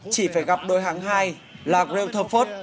chỉ phải gặp đối hãng hai là greutherford